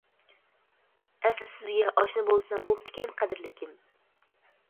ئەسلى سىزگە ئاشنا بولسام بوپتىكەن قەدىرلىكىم!